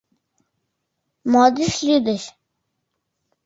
Мо деч лӱдыч?